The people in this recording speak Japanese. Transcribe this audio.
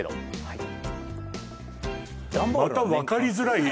はい